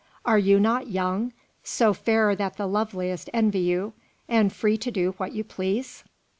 Are you not young, so fair that the loveliest envy you, and free to do what you please?